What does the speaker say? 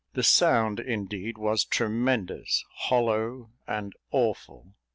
The sound indeed was tremendous, hollow, and awful.